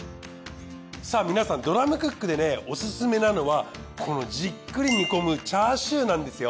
さぁ皆さんドラムクックでねオススメなのはこのじっくり煮込むチャーシューなんですよ。